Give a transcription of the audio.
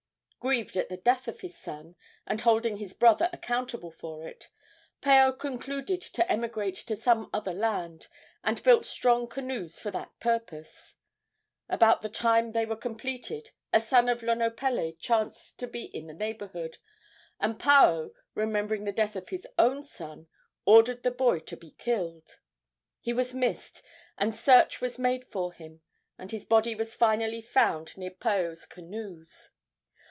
Grieved at the death of his son, and holding his brother accountable for it, Paao concluded to emigrate to some other land, and built strong canoes for that purpose. About the time they were completed a son of Lonopele chanced to be in the neighborhood, and Paao, remembering the death of his own son, ordered the boy to be killed. He was missed, and search was made for him, and his body was finally found near Paao's canoes.